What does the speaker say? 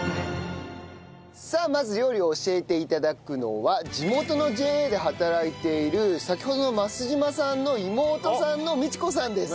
さあまず料理を教えて頂くのは地元のＪＡで働いている先ほどの増島さんの妹さんの道子さんです。